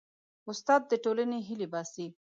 استاد د ټولنې هیلې باسي.